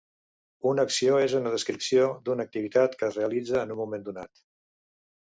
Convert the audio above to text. Una acció és una descripció d'una activitat que es realitza en un moment donat.